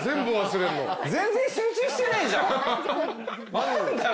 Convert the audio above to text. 何だよ